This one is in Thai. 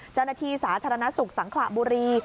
เจ้าหน้าที่สาธารณสุขสังขระบุรี